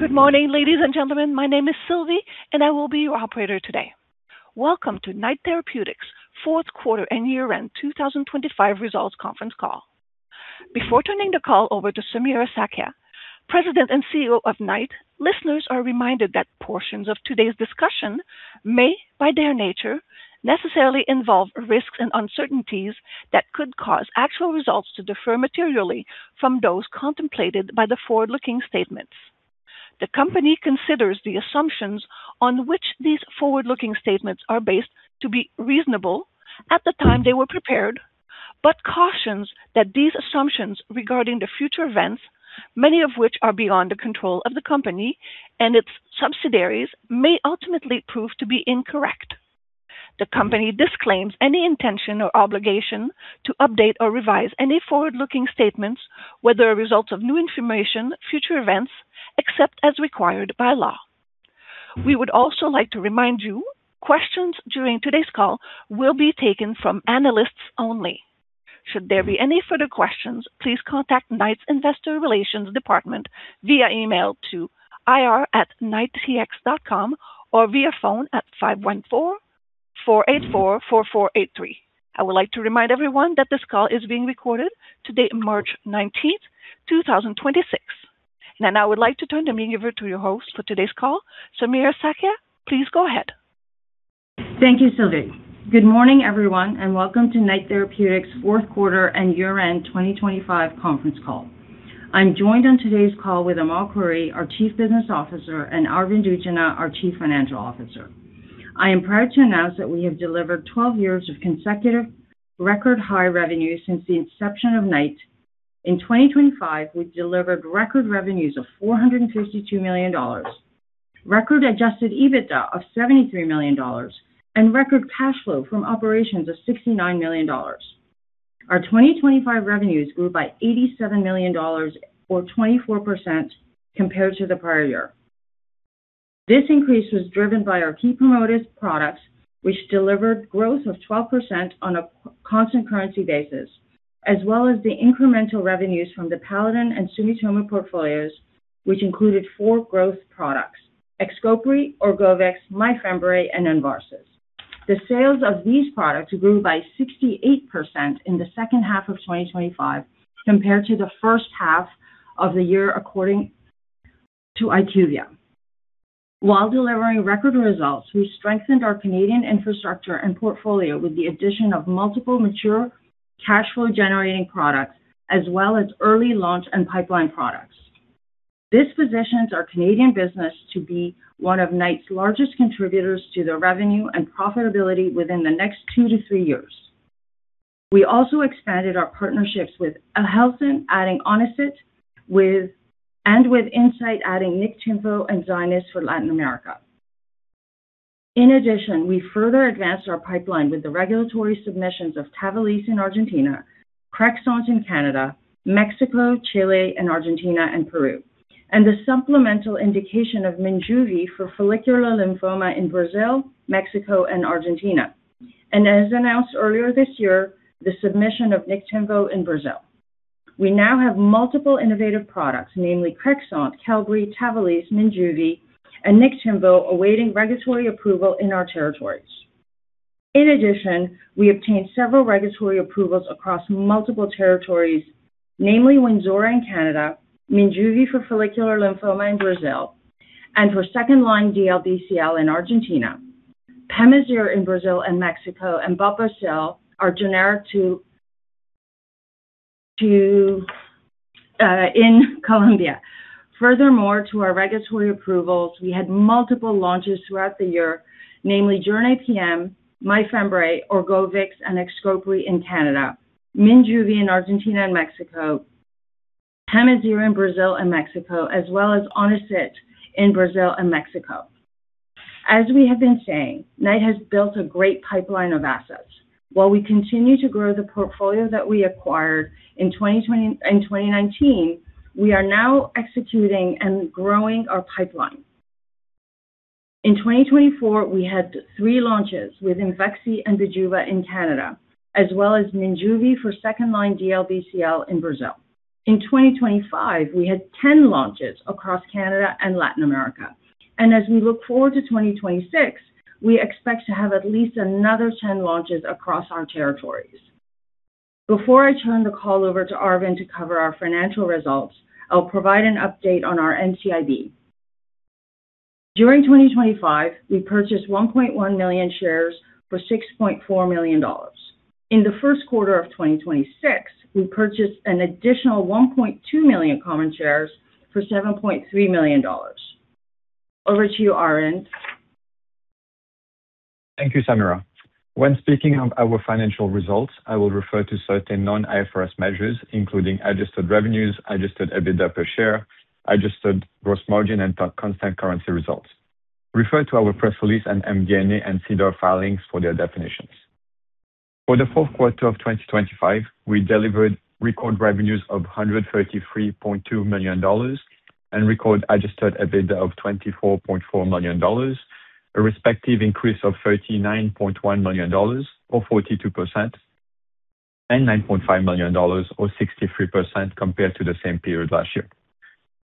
Good morning, ladies and gentlemen. My name is Sylvie, and I will be your operator today. Welcome to Knight Therapeutics' Q4 and year-end 2025 results conference call. Before turning the call over to Samira Sakhia, President and CEO of Knight, listeners are reminded that portions of today's discussion may, by their nature, necessarily involve risks and uncertainties that could cause actual results to differ materially from those contemplated by the forward-looking statements. The company considers the assumptions on which these forward-looking statements are based to be reasonable at the time they were prepared, but cautions that these assumptions regarding the future events, many of which are beyond the control of the company and its subsidiaries, may ultimately prove to be incorrect. The company disclaims any intention or obligation to update or revise any forward-looking statements, whether as a result of new information, future events, except as required by law. We would also like to remind you. Questions during today's call will be taken from analysts only. Should there be any further questions, please contact Knight's Investor Relations Department via email to ir@knighttx.com or via phone at 514-484-4483. I would like to remind everyone that this call is being recorded today, March 19, 2026. I would like to turn the meeting over to your host for today's call, Samira Sakhia. Please go ahead. Thank you, Sylvie. Good morning, everyone, and welcome to Knight Therapeutics' Q4 and year-end 2025 conference call. I'm joined on today's call with Amal Khouri, our Chief Business Officer, and Arvind Utchanah, our Chief Financial Officer. I am proud to announce that we have delivered 12 years of consecutive record high revenue since the inception of Knight. In 2025, we delivered record revenues of 452 million dollars, record adjusted EBITDA of 73 million dollars, and record cash flow from operations of 69 million dollars. Our 2025 revenues grew by 87 million dollars or 24% compared to the prior year. This increase was driven by our key promoted products, which delivered growth of 12% on a constant currency basis, as well as the incremental revenues from the Paladin and Sumitomo portfolios, which included four growth products, Xcopri, Orgovyx, Myfembree, and Invarsys. The sales of these products grew by 68% in the second half of 2025 compared to the first half of the year, according to IQVIA. While delivering record results, we strengthened our Canadian infrastructure and portfolio with the addition of multiple mature cash flow generating products as well as early launch and pipeline products. This positions our Canadian business to be one of Knight's largest contributors to the revenue and profitability within the next two to three years. We also expanded our partnerships with Helsinn, adding ONICIT and with Incyte, adding Niktimvo and Zynyz for Latin America. In addition, we further advanced our pipeline with the regulatory submissions of TAVALISSE in Argentina, Cresemba in Canada, Mexico, Chile, Argentina and Peru, and the supplemental indication of Minjuvi for follicular lymphoma in Brazil, Mexico and Argentina. As announced earlier this year, the submission of Niktimvo in Brazil. We now have multiple innovative products, namely Cresemba, Qelbree, Tavalisse, Minjuvi and Niktimvo, awaiting regulatory approval in our territories. In addition, we obtained several regulatory approvals across multiple territories, namely Wynzora in Canada, Minjuvi for follicular lymphoma in Brazil and for second line DLBCL in Argentina, Pemazyre in Brazil and Mexico, and Bapocil, our generic in Colombia. In addition to our regulatory approvals, we had multiple launches throughout the year, namely Jornay PM, Myfembree, Orgovyx and Xcopri in Canada, Minjuvi in Argentina and Mexico, Pemazyre in Brazil and Mexico, as well as ONICIT in Brazil and Mexico. As we have been saying, Knight has built a great pipeline of assets. While we continue to grow the portfolio that we acquired in 2019, we are now executing and growing our pipeline. In 2024, we had 3 launches with Imvexxy and Bijuva in Canada, as well as Minjuvi for second line DLBCL in Brazil. In 2025, we had 10 launches across Canada and Latin America. As we look forward to 2026, we expect to have at least another 10 launches across our territories. Before I turn the call over to Arvind to cover our financial results, I'll provide an update on our NCIB. During 2025, we purchased 1.1 million shares for 6.4 million dollars. In the Q1 of 2026, we purchased an additional 1.2 million common shares for 7.3 million dollars. Over to you, Arvind. Thank you, Samira. When speaking of our financial results, I will refer to certain non-IFRS measures, including adjusted revenues, adjusted EBITDA per share, adjusted gross margin and constant currency results. Refer to our press release and MD&A and SEDAR filings for their definitions. For the Q4 of 2025, we delivered record revenues of 133.2 million dollars and record adjusted EBITDA of 24.4 million dollars, a respective increase of 39.1 million dollars or 42%. 9.5 million dollars or 63% compared to the same period last year.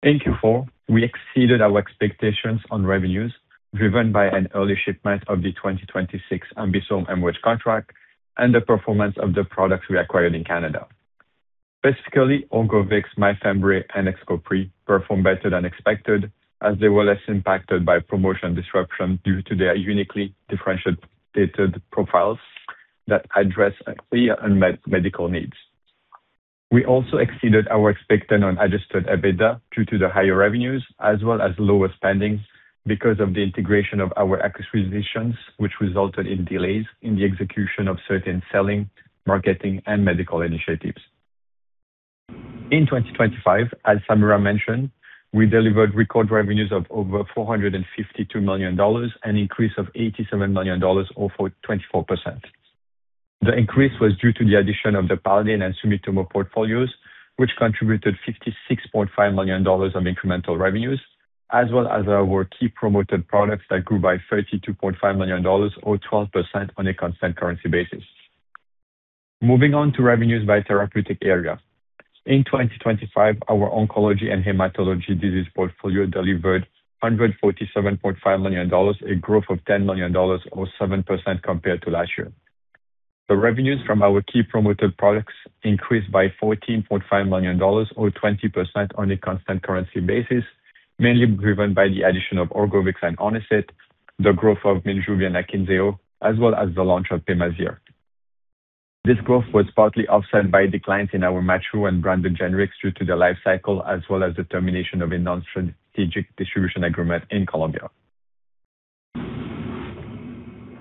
In Q4, we exceeded our expectations on revenues, driven by an early shipment of the 2026 Ambisome MRID contract and the performance of the products we acquired in Canada. Specifically, Orgovyx, Myfembree and Xcopri performed better than expected as they were less impacted by promotion disruption due to their uniquely differentiated profiles that address clear unmet medical needs. We also exceeded our expectations on adjusted EBITDA due to the higher revenues as well as lower spending because of the integration of our acquisitions, which resulted in delays in the execution of certain selling, marketing and medical initiatives. In 2025, as Samira mentioned, we delivered record revenues of over 452 million dollars, an increase of 87 million dollars or 44%. The increase was due to the addition of the Paladin and Sumitomo portfolios, which contributed 56.5 million dollars of incremental revenues, as well as our key promoted products that grew by 32.5 million dollars or 12% on a constant currency basis. Moving on to revenues by therapeutic area. In 2025, our oncology and hematology disease portfolio delivered 147.5 million dollars, a growth of 10 million dollars or 7% compared to last year. The revenues from our key promoted products increased by 14.5 million dollars or 20% on a constant currency basis, mainly driven by the addition of Orgovyx and ONICIT, the growth of Minjuvi and Akynzeo, as well as the launch of Pemazyre. This growth was partly offset by declines in our mature and branded generics due to their life cycle as well as the termination of a non-strategic distribution agreement in Colombia.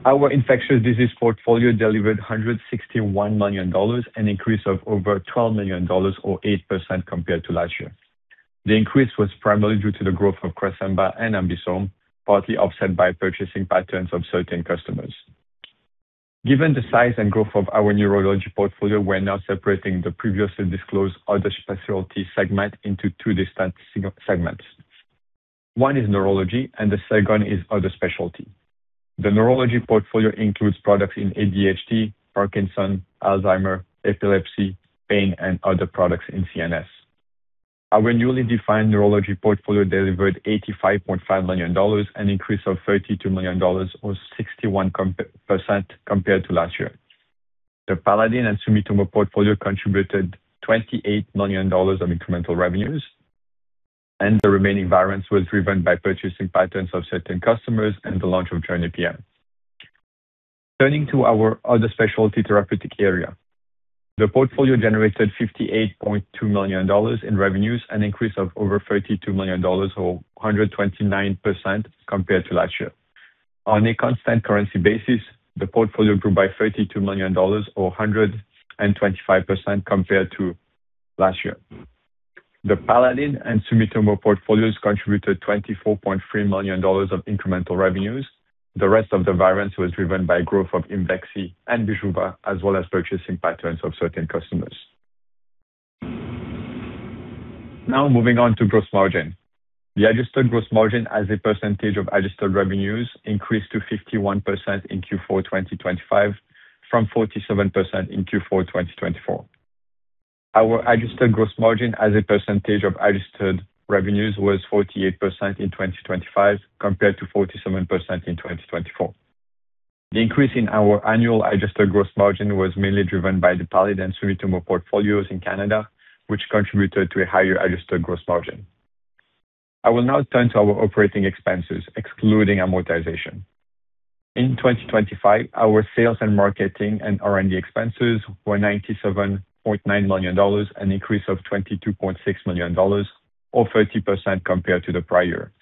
Our infectious disease portfolio delivered 161 million dollars, an increase of over 12 million dollars or 8% compared to last year. The increase was primarily due to the growth of Cresemba and Ambisome, partly offset by purchasing patterns of certain customers. Given the size and growth of our neurology portfolio, we're now separating the previously disclosed other specialty segment into two distinct segments. One is neurology and the second is other specialty. The neurology portfolio includes products in ADHD, Parkinson's, Alzheimer's, epilepsy, pain, and other products in CNS. Our newly defined neurology portfolio delivered 85.5 million dollars, an increase of 32 million dollars or 61% compared to last year. The Paladin and Sumitomo portfolio contributed 28 million dollars of incremental revenues, and the remaining variance was driven by purchasing patterns of certain customers and the launch of Jornay PM. Turning to our other specialty therapeutic area. The portfolio generated 58.2 million dollars in revenues, an increase of over 32 million dollars or 129% compared to last year. On a constant currency basis, the portfolio grew by 32 million dollars or 125% compared to last year. The Paladin and Sumitomo portfolios contributed 24.3 million dollars of incremental revenues. The rest of the variance was driven by growth of Imvexxy and Bijuva, as well as purchasing patterns of certain customers. Now moving on to gross margin. The adjusted gross margin as a percentage of adjusted revenues increased to 51% in Q4 2025 from 47% in Q4 2024. Our adjusted gross margin as a percentage of adjusted revenues was 48% in 2025 compared to 47% in 2024. The increase in our annual adjusted gross margin was mainly driven by the Paladin Sumitomo portfolios in Canada, which contributed to a higher adjusted gross margin. I will now turn to our operating expenses excluding amortization. In 2025, our sales and marketing and R&D expenses were 97.9 million dollars, an increase of 22.6 million dollars or 30% compared to the prior.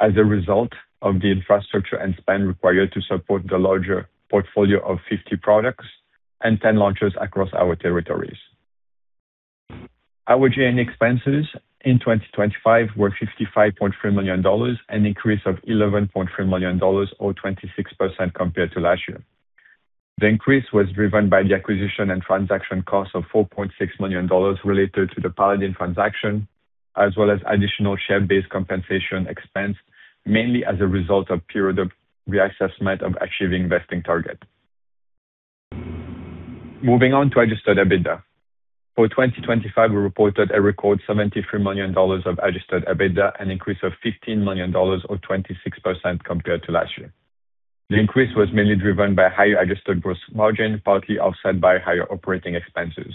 As a result of the infrastructure and spend required to support the larger portfolio of 50 products and 10 launches across our territories. Our G&A expenses in 2025 were 55.3 million dollars, an increase of 11.3 million dollars or 26% compared to last year. The increase was driven by the acquisition and transaction costs of 4.6 million dollars related to the Paladin transaction, as well as additional share-based compensation expense, mainly as a result of period of reassessment of achieving vesting target. Moving on to adjusted EBITDA. For 2025, we reported a record 73 million dollars of adjusted EBITDA, an increase of 15 million dollars or 26% compared to last year. The increase was mainly driven by higher adjusted gross margin, partly offset by higher operating expenses.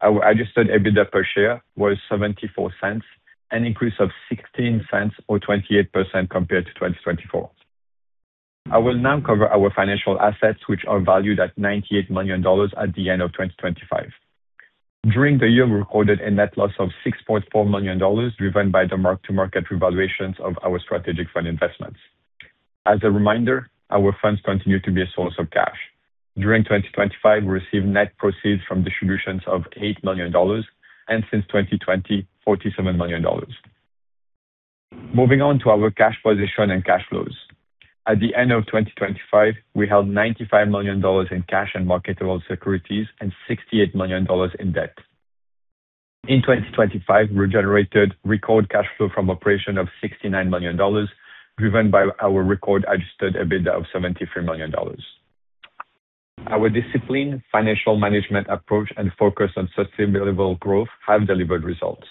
Our adjusted EBITDA per share was 0.74, an increase of 0.16 or 28% compared to 2024. I will now cover our financial assets which are valued at 98 million dollars at the end of 2025. During the year, we recorded a net loss of 6.4 million dollars, driven by the mark-to-market revaluations of our strategic fund investments. As a reminder, our funds continue to be a source of cash. During 2025, we received net proceeds from distributions of 8 million dollars, and since 2020, 47 million dollars. Moving on to our cash position and cash flows. At the end of 2025, we held 95 million dollars in cash and marketable securities and 68 million dollars in debt. In 2025, we generated record cash flow from operations of 69 million dollars, driven by our record adjusted EBITDA of 73 million dollars. Our disciplined financial management approach and focus on sustainable growth have delivered results.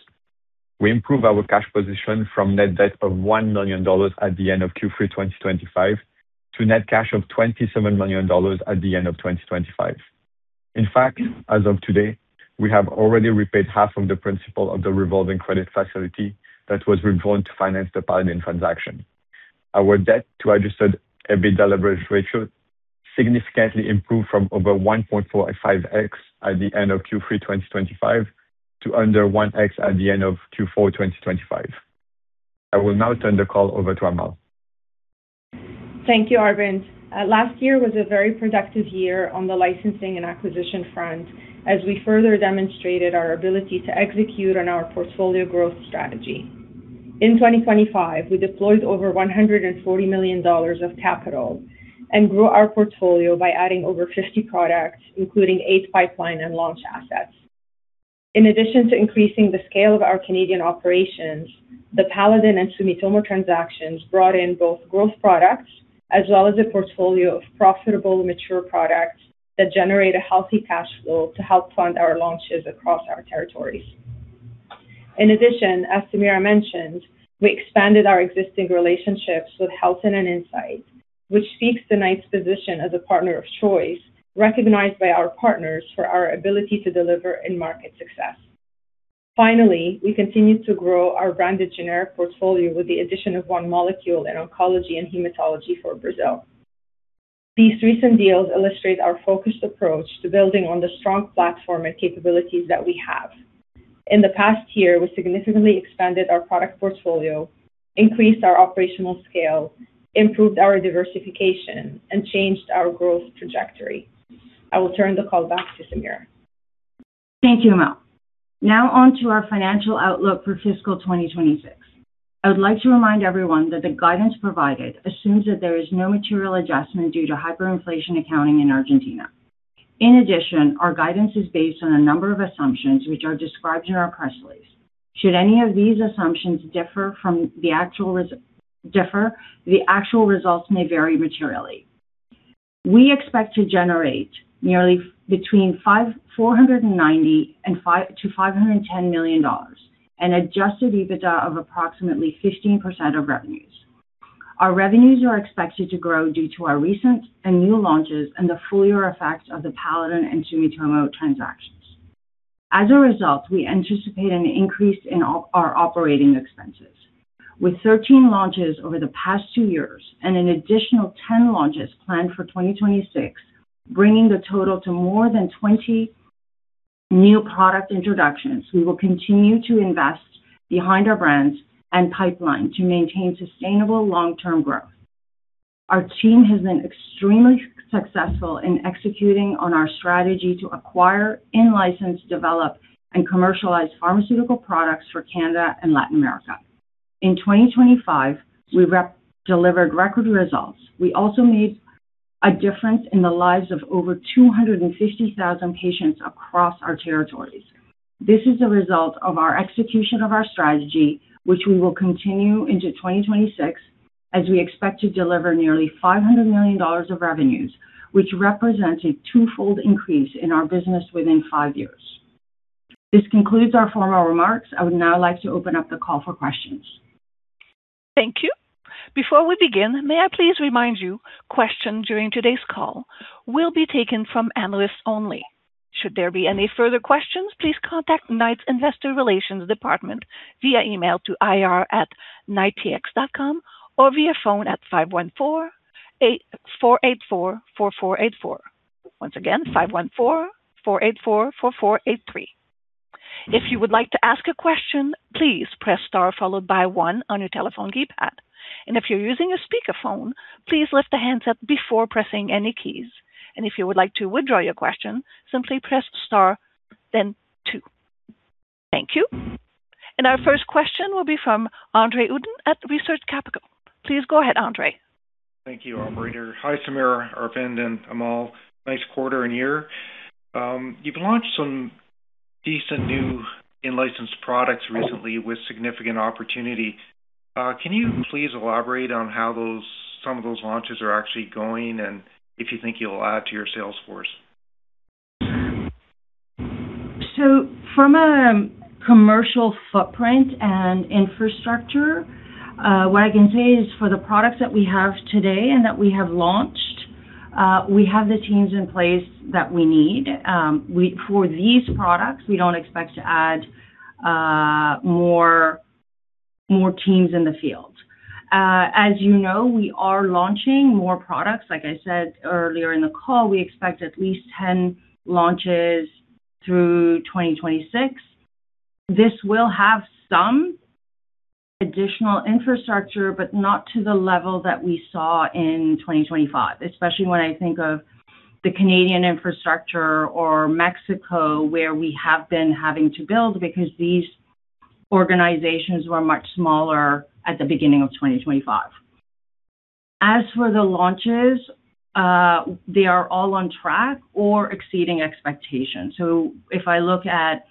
We improved our cash position from net debt of 1 million dollars at the end of Q3 2025 to net cash of 27 million dollars at the end of 2025. In fact, as of today, we have already repaid half of the principal of the revolving credit facility that was withdrawn to finance the Paladin transaction. Our debt to adjusted EBITDA leverage ratio significantly improved from over 1.45x at the end of Q3 2025 to under 1x at the end of Q4 2025. I will now turn the call over to Amal. Thank you, Arvind. Last year was a very productive year on the licensing and acquisition front as we further demonstrated our ability to execute on our portfolio growth strategy. In 2025, we deployed over 140 million dollars of capital and grew our portfolio by adding over 50 products, including 8 pipeline and launch assets. In addition to increasing the scale of our Canadian operations, the Paladin and Sumitomo transactions brought in both growth products as well as a portfolio of profitable mature products that generate a healthy cash flow to help fund our launches across our territories. In addition, as Samira mentioned, we expanded our existing relationships with Helsinn and Incyte, which speaks to Knight's position as a partner of choice, recognized by our partners for our ability to deliver and market success. Finally, we continue to grow our branded generic portfolio with the addition of one molecule in oncology and hematology for Brazil. These recent deals illustrate our focused approach to building on the strong platform and capabilities that we have. In the past year, we significantly expanded our product portfolio, increased our operational scale, improved our diversification, and changed our growth trajectory. I will turn the call back to Samira. Thank you, Amal. Now on to our financial outlook for fiscal 2026. I would like to remind everyone that the guidance provided assumes that there is no material adjustment due to hyperinflation accounting in Argentina. In addition, our guidance is based on a number of assumptions which are described in our press release. Should any of these assumptions differ from the actual, the actual results may vary materially. We expect to generate nearly between 490 million and 510 million dollars and adjusted EBITDA of approximately 15% of revenues. Our revenues are expected to grow due to our recent and new launches and the full year effect of the Paladin and Sumitomo transactions. As a result, we anticipate an increase in our operating expenses. With 13 launches over the past two years and an additional 10 launches planned for 2026, bringing the total to more than 20 new product introductions, we will continue to invest behind our brands and pipeline to maintain sustainable long-term growth. Our team has been extremely successful in executing on our strategy to acquire, in-license, develop, and commercialize pharmaceutical products for Canada and Latin America. In 2025, we delivered record results. We also made a difference in the lives of over 250,000 patients across our territories. This is a result of our execution of our strategy, which we will continue into 2026, as we expect to deliver nearly 500 million dollars of revenues, which represents a twofold increase in our business within five years. This concludes our formal remarks. I would now like to open up the call for questions. Thank you. Before we begin, may I please remind you, questions during today's call will be taken from analysts only. Should there be any further questions, please contact Knight's Investor Relations Department via email to ir@knighttx.com or via phone at 514-844-4484. Once again, 514-844-4483. If you would like to ask a question, please press * followed by one on your telephone keypad. If you're using a speakerphone, please lift the handset before pressing any keys. If you would like to withdraw your question, simply press *, then two. Thank you. Our first question will be from Andre Uddin at Research Capital. Please go ahead, Andre. Thank you, operator. Hi, Samira, Arvind, and Amal. Nice quarter and year. You've launched some decent new in-licensed products recently with significant opportunity. Can you please elaborate on how those, some of those launches are actually going and if you think you'll add to your sales force? From a commercial footprint and infrastructure, what I can say is for the products that we have today and that we have launched, we have the teams in place that we need. For these products, we don't expect to add more teams in the field. As you know, we are launching more products. Like I said earlier in the call, we expect at least 10 launches through 2026. This will have some additional infrastructure, but not to the level that we saw in 2025, especially when I think of the Canadian infrastructure or Mexico, where we have been having to build because these organizations were much smaller at the beginning of 2025. As for the launches, they are all on track or exceeding expectations. If I look at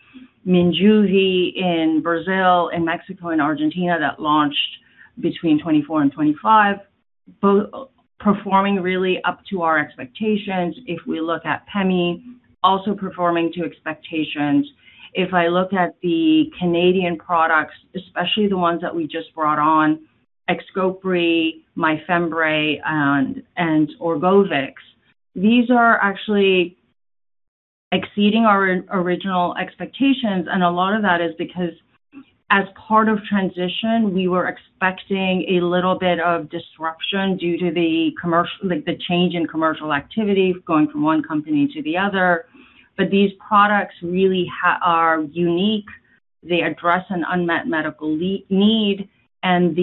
Minjuvi in Brazil, in Mexico, in Argentina that launched between 2024 and 2025, performing really up to our expectations. If we look at Pemazyre, also performing to expectations. If I look at the Canadian products, especially the ones that we just brought on, Xcopri, Myfembree, and Orgovyx, these are actually exceeding our original expectations. A lot of that is because as part of transition, we were expecting a little bit of disruption due to the commercial, like the change in commercial activity going from one company to the other. These products really are unique. They address an unmet medical need, and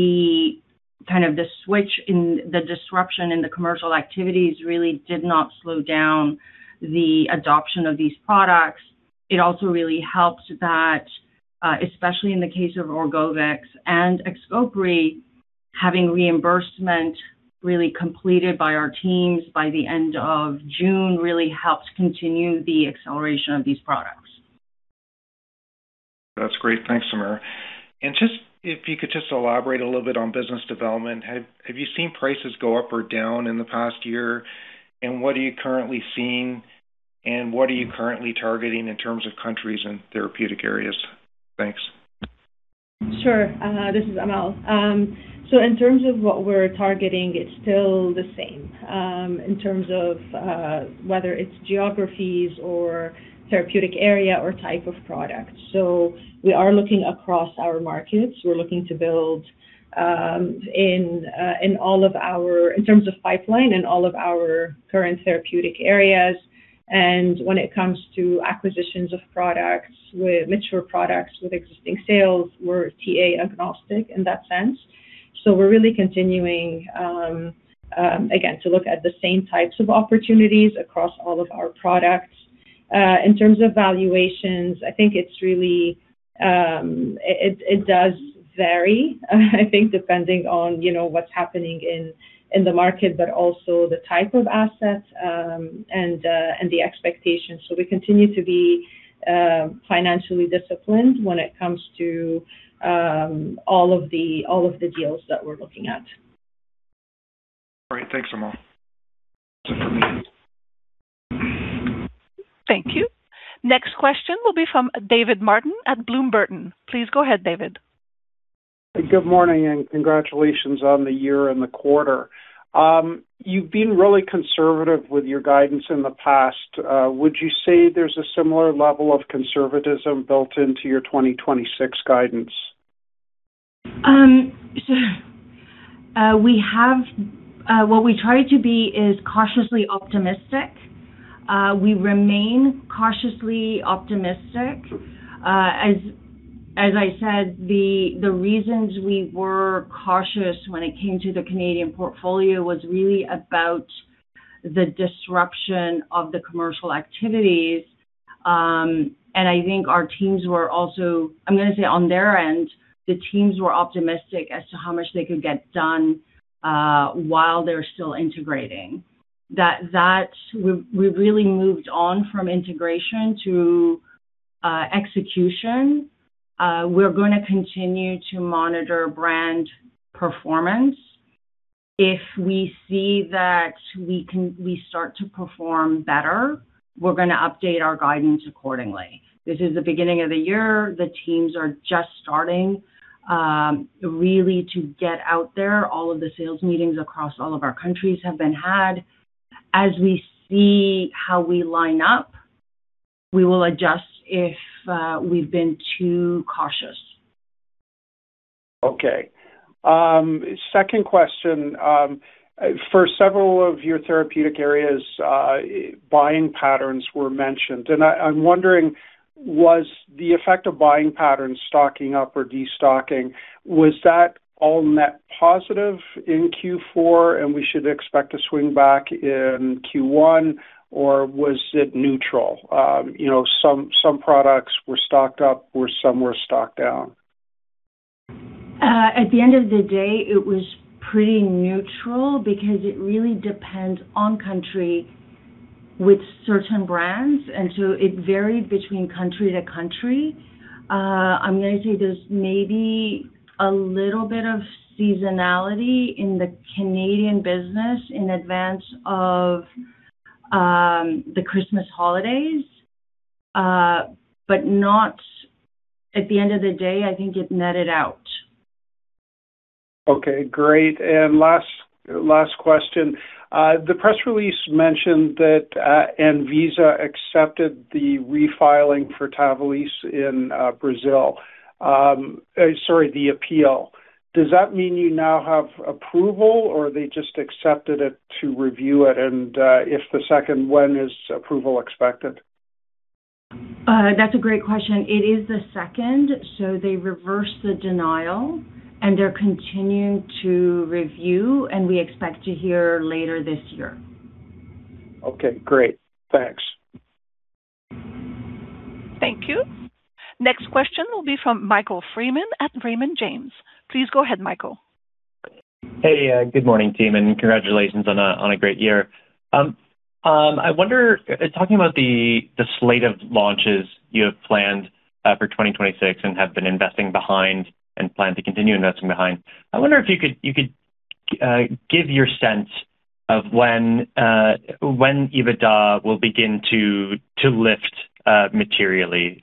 kind of the switch in the disruption in the commercial activities really did not slow down the adoption of these products. It also really helped that, especially in the case of Orgovyx and Xcopri, having reimbursement really completed by our teams by the end of June really helped continue the acceleration of these products. That's great. Thanks, Samira. Just if you could just elaborate a little bit on business development. Have you seen prices go up or down in the past year? What are you currently seeing, and what are you currently targeting in terms of countries and therapeutic areas? Thanks. Sure. This is Amal. In terms of what we're targeting, it's still the same, in terms of whether it's geographies or therapeutic area or type of product. We are looking across our markets. We're looking to build in terms of pipeline in all of our current therapeutic areas. When it comes to acquisitions of products with mature products, with existing sales, we're TA-agnostic in that sense. We're really continuing, again, to look at the same types of opportunities across all of our products. In terms of valuations, I think it's really, it does vary, I think, depending on, you know, what's happening in the market, but also the type of asset, and the expectations. We continue to be financially disciplined when it comes to all of the deals that we're looking at. All right. Thanks, Amal. Thank you. Next question will be from David Martin at Bloom Burton. Please go ahead, David. Good morning, and congratulations on the year and the quarter. You've been really conservative with your guidance in the past. Would you say there's a similar level of conservatism built into your 2026 guidance? What we try to be is cautiously optimistic. We remain cautiously optimistic. As I said, the reasons we were cautious when it came to the Canadian portfolio was really about the disruption of the commercial activities. I'm going to say on their end, the teams were optimistic as to how much they could get done while they're still integrating. That we really moved on from integration to execution. We're going to continue to monitor brand performance. If we see that we start to perform better, we're going to update our guidance accordingly. This is the beginning of the year. The teams are just starting really to get out there. All of the sales meetings across all of our countries have been had. As we see how we line up, we will adjust if we've been too cautious. Okay. Second question. For several of your therapeutic areas, buying patterns were mentioned, and I'm wondering, was the effect of buying patterns stocking up or destocking, was that all net positive in Q4, and we should expect to swing back in Q1, or was it neutral? You know, some products were stocked up or some were stocked down. At the end of the day, it was pretty neutral because it really depends on country with certain brands, and so it varied between country to country. I'm gonna say there's maybe a little bit of seasonality in the Canadian business in advance of the Christmas holidays. At the end of the day, I think it netted out. Okay, great. Last question. The press release mentioned that ANVISA accepted the refiling, sorry, the appeal, for TAVALISSE in Brazil. Does that mean you now have approval, or they just accepted it to review it? If the second, when is approval expected? That's a great question. It is the second. They reversed the denial, and they're continuing to review, and we expect to hear later this year. Okay, great. Thanks. Thank you. Next question will be from Michael Freeman at Raymond James. Please go ahead, Michael. Hey, good morning, team, and congratulations on a great year. I wonder, talking about the slate of launches you have planned for 2026 and have been investing behind and plan to continue investing behind, if you could give your sense of when EBITDA will begin to lift materially,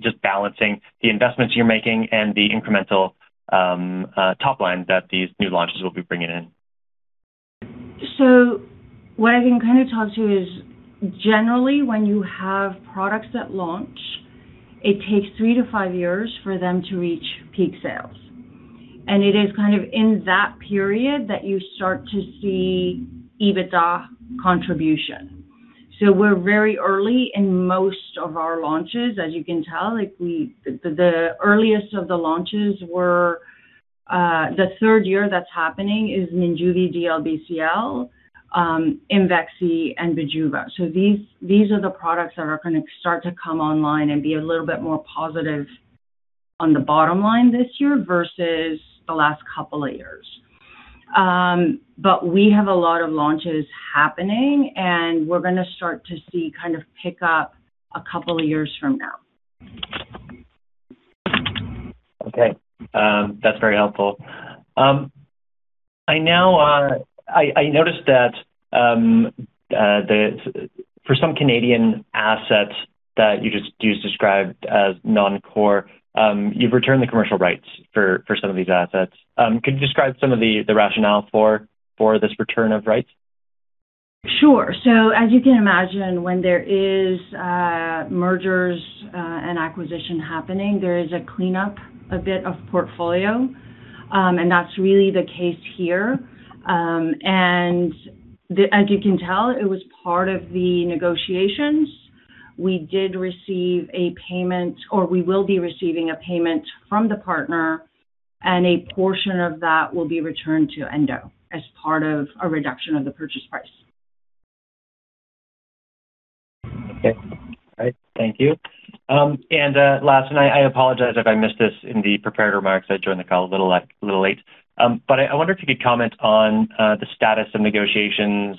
just balancing the investments you're making and the incremental top line that these new launches will be bringing in. What I can kind of talk to is generally when you have products that launch, it takes three to five years for them to reach peak sales. It is kind of in that period that you start to see EBITDA contribution. We're very early in most of our launches, as you can tell. The earliest of the launches were the third year that's happening is Minjuvi, DLBCL, Imvexxy, and Bijuva. These are the products that are gonna start to come online and be a little bit more positive on the bottom line this year versus the last couple of years. But we have a lot of launches happening, and we're gonna start to see kind of pick up a couple of years from now. Okay. That's very helpful. I now noticed that for some Canadian assets that you described as non-core, you've returned the commercial rights for some of these assets. Could you describe some of the rationale for this return of rights? Sure. As you can imagine, when there is mergers and acquisition happening, there is a cleanup a bit of portfolio, and that's really the case here. As you can tell, it was part of the negotiations. We did receive a payment, or we will be receiving a payment from the partner, and a portion of that will be returned to Endo as part of a reduction of the purchase price. Okay. All right. Thank you. Last, I apologize if I missed this in the prepared remarks. I joined the call a little late. I wonder if you could comment on the status of negotiations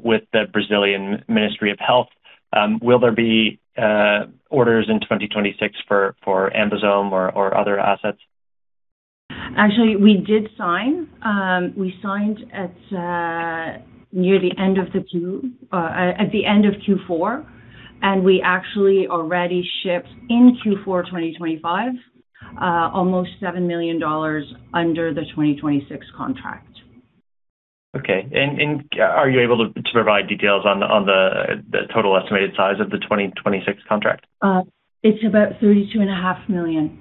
with the Brazilian Ministry of Health. Will there be orders in 2026 for Ambisome or other assets? Actually, we did sign. We signed near the end of Q4, and we actually already shipped in Q4 2025, almost 7 million dollars under the 2026 contract. Are you able to provide details on the total estimated size of the 2026 contract? It's about 32.5 million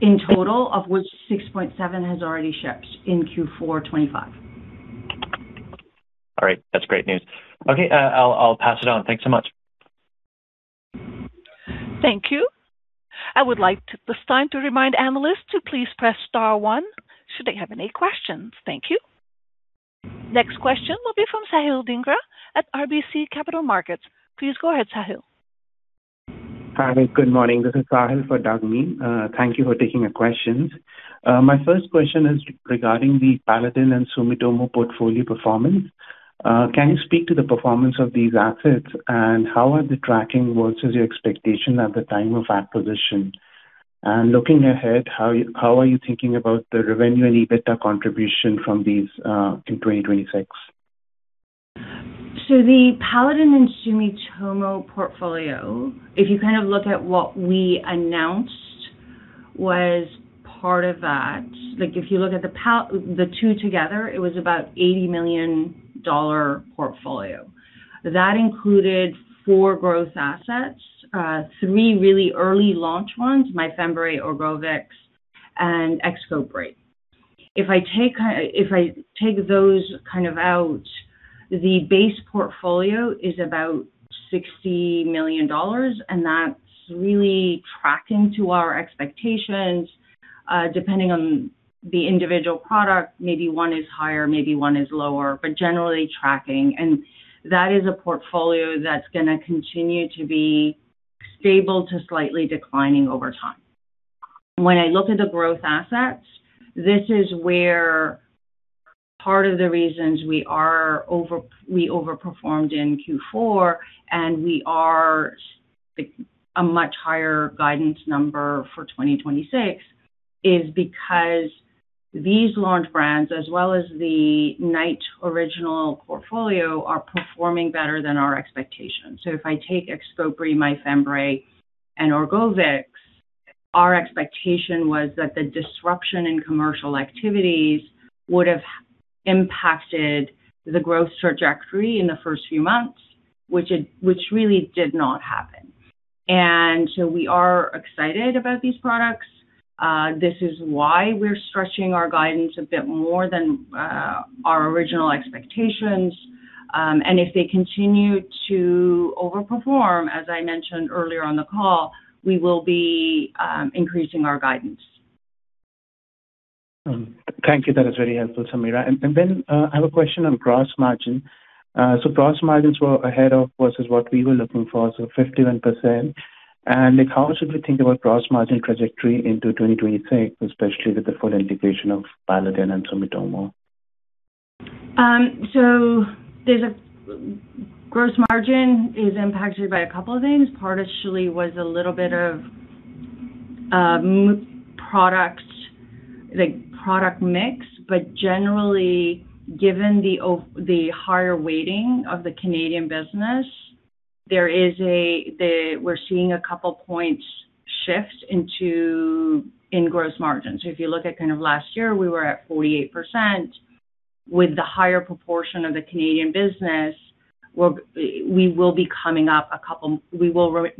in total, of which 6.7 million has already shipped in Q4 2025. All right. That's great news. Okay, I'll pass it on. Thanks so much. Thank you. I would like to take this time to remind analysts to please press * one should they have any questions. Thank you. Next question will be from Sahil Dhingra at RBC Capital Markets. Please go ahead, Sahil. Hi. Good morning. This is Sahil Dhingra for Douglas Miehm. Thank you for taking the questions. My first question is regarding the Paladin and Sumitomo Pharma portfolio performance. Can you speak to the performance of these assets, and how are they tracking versus your expectation at the time of acquisition? Looking ahead, how are you thinking about the revenue and EBITDA contribution from these in 2026? The Paladin and Sumitomo portfolio, if you kind of look at what we announced, was part of that. Like, if you look at the two together, it was about 80 million dollar portfolio. That included 4 growth assets, three really early launch ones, Myfembree, Orgovyx, and Xcopri. If I take those kind of out, the base portfolio is about 60 million dollars, and that's really tracking to our expectations, depending on the individual product. Maybe one is higher, maybe one is lower, but generally tracking. That is a portfolio that's gonna continue to be stable to slightly declining over time. When I look at the growth assets, this is where part of the reasons we overperformed in Q4 and we are, like, a much higher guidance number for 2026 is because these launched brands, as well as the Knight original portfolio, are performing better than our expectations. If I take Xcopri, Myfembree, and Orgovyx, our expectation was that the disruption in commercial activities would have impacted the growth trajectory in the first few months, which really did not happen. We are excited about these products. This is why we're stretching our guidance a bit more than our original expectations. If they continue to overperform, as I mentioned earlier on the call, we will be increasing our guidance. Thank you. That is very helpful, Samira. I have a question on gross margin. Gross margins were ahead of versus what we were looking for, 51%. Like, how should we think about gross margin trajectory into 2026, especially with the full integration of Paladin and Sumitomo? Gross margin is impacted by a couple of things. Part of it actually was a little bit of mature products, like product mix. Generally, given the higher weighting of the Canadian business, we're seeing a couple points shift in gross margins. If you look at kind of last year, we were at 48%. With the higher proportion of the Canadian business, we will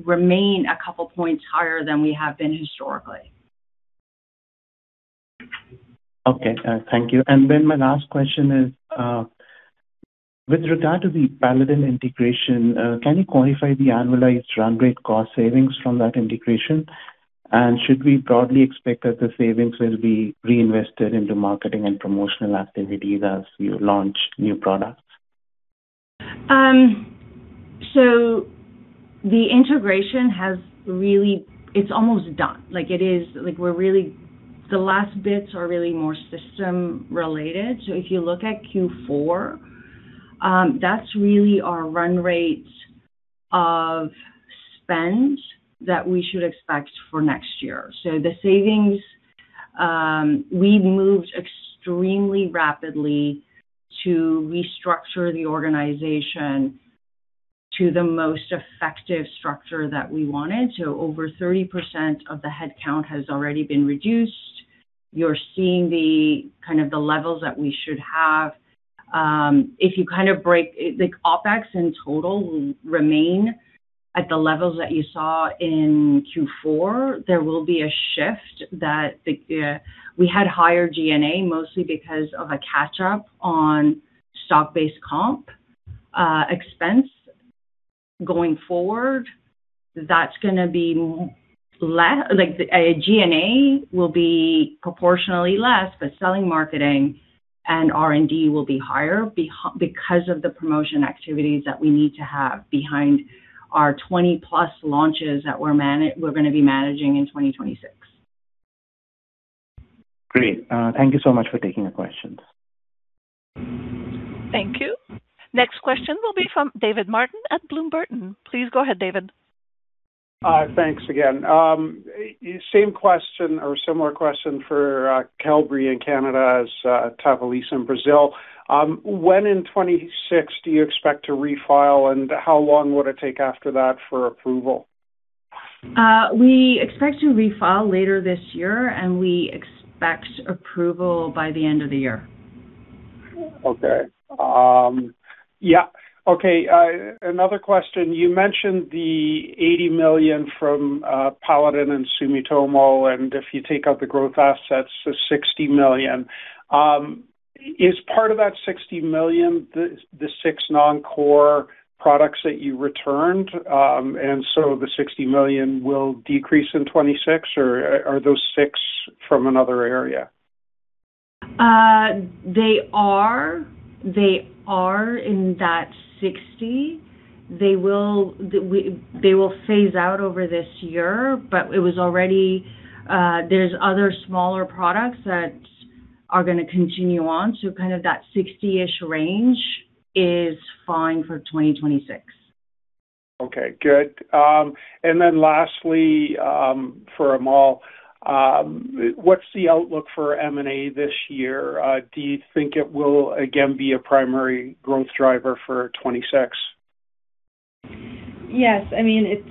remain a couple points higher than we have been historically. Okay, thank you. My last question is, with regard to the Paladin integration, can you quantify the annualized run rate cost savings from that integration? Should we broadly expect that the savings will be reinvested into marketing and promotional activities as you launch new products? The integration has really. It's almost done. Like, the last bits are really more system related. If you look at Q4, that's really our run rate of spend that we should expect for next year. The savings, we've moved extremely rapidly to restructure the organization to the most effective structure that we wanted. Over 30% of the headcount has already been reduced. You're seeing the kind of levels that we should have. If you kind of, like, OpEx in total will remain at the levels that you saw in Q4. There will be a shift. We had higher G&A mostly because of a catch-up on stock-based comp expense going forward. That's gonna be much less. Like, the G&A will be proportionally less, but selling, marketing, and R&D will be higher because of the promotion activities that we need to have behind our 20-plus launches that we're gonna be managing in 2026. Great. Thank you so much for taking the questions. Thank you. Next question will be from David Martin at Bloom Burton. Please go ahead, David. Thanks again. Same question or similar question for Qelbree in Canada as TAVALISSE in Brazil. When in 2026 do you expect to refile, and how long would it take after that for approval? We expect to refile later this year, and we expect approval by the end of the year. Another question. You mentioned the 80 million from Paladin and Sumitomo, and if you take out the growth assets, the 60 million. Is part of that 60 million the six non-core products that you returned, and so the 60 million will decrease in 2026? Or are those six from another area? They are in that 60. They will phase out over this year, but it was already. There's other smaller products that are gonna continue on, so kind of that 60-ish range is fine for 2026. Okay, good. Lastly, for Amal, what's the outlook for M&A this year? Do you think it will again be a primary growth driver for 2026? Yes. I mean, if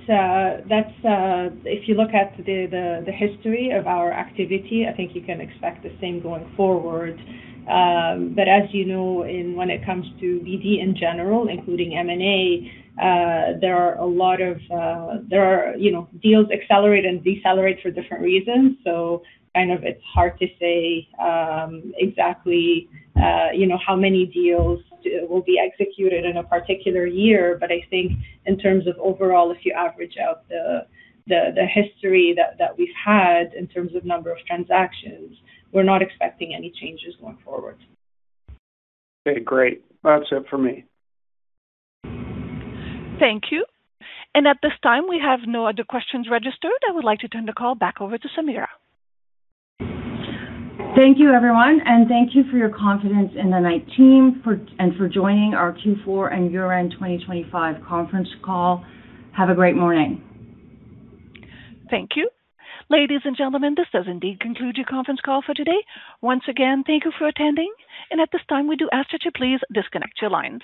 you look at the history of our activity, I think you can expect the same going forward. As you know, when it comes to BD in general, including M&A, there are, you know, deals accelerate and decelerate for different reasons, so kind of it's hard to say exactly, you know, how many deals will be executed in a particular year. I think in terms of overall, if you average out the history that we've had in terms of number of transactions, we're not expecting any changes going forward. Okay, great. That's it for me. Thank you. At this time, we have no other questions registered. I would like to turn the call back over to Samira. Thank you, everyone, and thank you for your confidence and for joining our Q4 and year-end 2025 conference call. Have a great morning. Thank you. Ladies and gentlemen, this does indeed conclude your conference call for today. Once again, thank you for attending. At this time, we do ask that you please disconnect your lines.